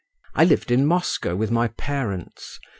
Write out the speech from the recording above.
I lived in Moscow with my parents.